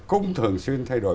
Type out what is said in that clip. cũng thường xuyên thay đổi